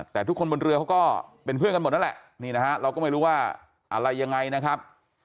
แต่ทุกคนบนเรือเขาก็เป็นเพื่อนกันหมดนั่นแหละนี่นะฮะเราก็ไม่รู้ว่าอะไรยังไงนะครับ